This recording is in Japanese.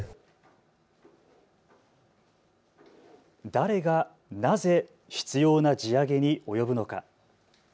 誰がなぜ、執ような地上げに及ぶのか。